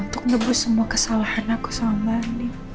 untuk nebus semua kesalahan aku sama mbak andin